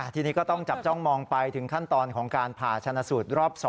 ทีนี้ก็ต้องจับจ้องมองไปถึงขั้นตอนของการผ่าชนะสูตรรอบ๒